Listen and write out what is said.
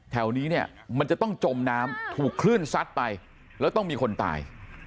แถวนี้เนี่ยมันจะต้องจมน้ำถูกคลื่นซัดไปแล้วต้องมีคนตาย